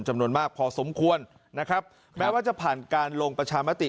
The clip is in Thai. จำนวนมากพอสมควรนะครับแม้ว่าจะผ่านการลงประชามติ